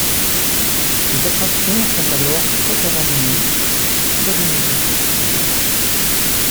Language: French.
Les attractions sont alors soit abandonnées, soit démontées.